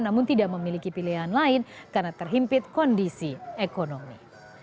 namun tidak memiliki pilihan lain karena terhimpit kondisi ekonomi